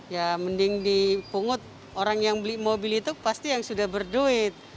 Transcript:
ya mending dipungut orang yang beli mobil itu pasti yang sudah berduit